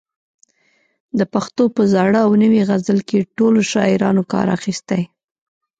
د پښتو په زاړه او نوي غزل کې ټولو شاعرانو کار اخیستی.